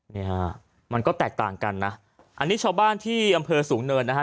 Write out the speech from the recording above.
เนี่ยฮะมันก็แตกต่างกันนะอันนี้ชาวบ้านที่อำเภอสูงเนินนะฮะ